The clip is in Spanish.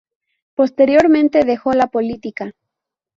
Posteriormente dejó la política.